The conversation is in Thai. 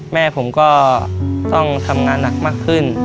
แม่ผมก็ต้องทำงานหนักมากขึ้น